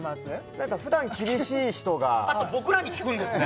なんかふだん厳しい人があと僕らに聞くんですね